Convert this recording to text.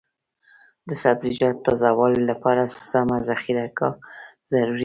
د سبزیجاتو تازه والي لپاره سمه ذخیره ګاه ضروري ده.